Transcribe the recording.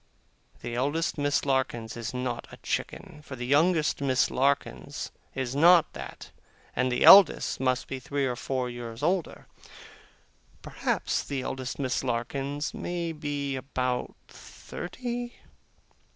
The eldest Miss Larkins is not a chicken; for the youngest Miss Larkins is not that, and the eldest must be three or four years older. Perhaps the eldest Miss Larkins may be about thirty.